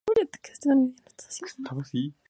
Habita en zonas costeras y litorales.